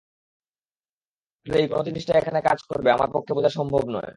কাজেই কোন জিনিসটা এখানে কাজ করবে, আমার পক্ষে বোঝা সম্ভব নয়।